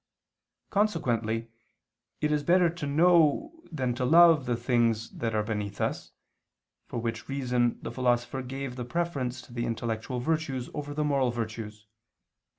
Consequently it is better to know than to love the things that are beneath us; for which reason the Philosopher gave the preference to the intellectual virtues over the moral virtues (Ethic.